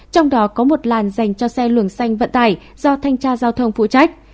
trong đó có một làn dành cho xe luồng xanh vận tải do thanh tra giao thông phụ trách